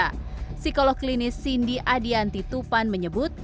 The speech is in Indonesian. psikolog klinis cindy adianti tupan menyebut